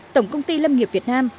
tổng công ty lâm nghiệp việt nam